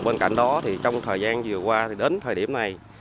bên cạnh đó trong thời gian vừa qua đến thời điểm này